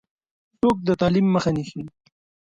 څوک د تعلیم مخه نیسي؟